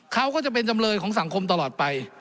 เขาก็จะเป็นจำเลยของสังคมตลอดไป